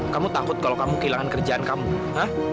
kamu takut kalau kamu kehilangan kerjaan kamu